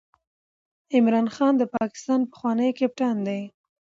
عمران خان د پاکستان پخوانی کپتان دئ.